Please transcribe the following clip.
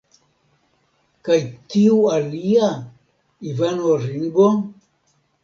Kaj tiu alia, Ivano Ringo?